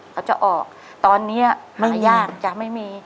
เขาจะออกตอนนี้มายากจะไม่มี